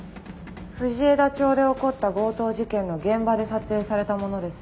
藤枝町で起こった強盗事件の現場で撮影されたものです。